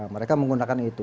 mereka menggunakan itu